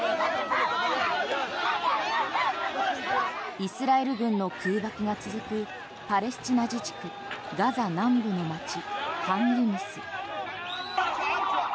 イスラエル軍の空爆が続くパレスチナ自治区ガザ南部の街ハンユニス。